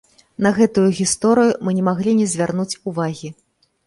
На гэтую гісторыю мы не маглі не звярнуць увагі.